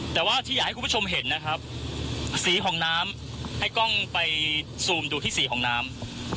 แต่ว่าที่อยากให้คุณผู้ชมเห็นนะครับสีของน้ำให้กล้องไปซูมดูที่สีของน้ำ